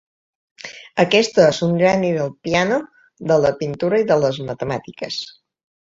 Aquest és un geni del piano, de la pintura i de les matemàtiques.